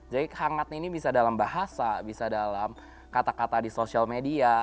jadi hangat ini bisa dalam bahasa bisa dalam kata kata di social media